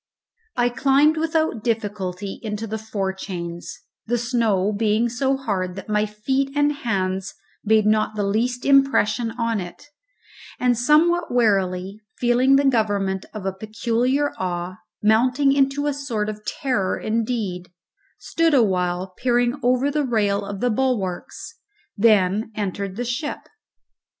I climbed without difficulty into the fore chains, the snow being so hard that my feet and hands made not the least impression on it, and somewhat warily feeling the government of a peculiar awe, mounting into a sort of terror indeed stood awhile peering over the rail of the bulwarks; then entered the ship.